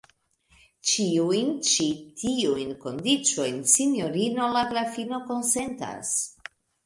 Ĉiujn ĉi tiujn kondiĉojn sinjorino la grafino konsentas.